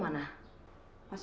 masih di kamar kali